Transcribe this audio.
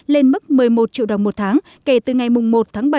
lên mức một mươi một triệu đồng một tháng kể từ ngày một tháng bảy